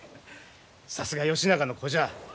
さすが義仲の子じゃ。